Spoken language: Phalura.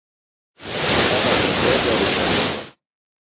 خلکہ کے پیرشان دےۡ؟